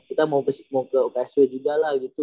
kita mau ke uksw juga lah gitu